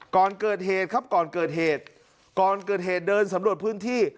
ก่อนเกิดเหตุครับก่อนเกิดเหตุก่อนเกิดเหตุเดินสำรวจพื้นที่